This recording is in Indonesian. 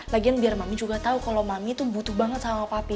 lagian biar mami juga tau kalo mami tuh butuh banget sama papi